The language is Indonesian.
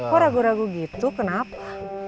kok ragu ragu gitu kenapa